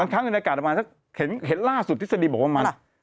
มันค้างอยู่ในอากาศนานเห็นล่าสุดที่สดีบอกว่ามัน